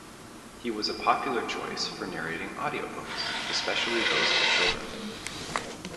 He was a popular choice for narrating audio books, especially those for children.